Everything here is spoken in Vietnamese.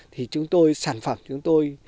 thì chúng tôi sản phẩm chúng tôi